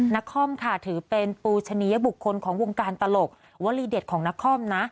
นครค่ะถือเป็นปูชนิยบุคคลของวงการตลกวลีเด็ดของนครนะ